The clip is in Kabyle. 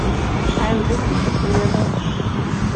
Ɛiwed-as tikkelt-nniḍen.